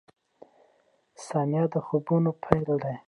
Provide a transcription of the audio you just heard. • ثانیه د خوبونو پیل دی.